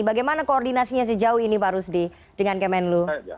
bagaimana koordinasinya sejauh ini pak rusdi dengan kemenlu